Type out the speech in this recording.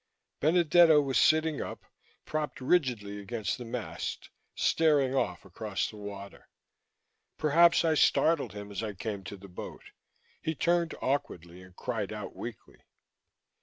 Benedetto was sitting up, propped rigidly against the mast, staring off across the water. Perhaps I startled him as I came to the boat; he turned awkwardly and cried out weakly.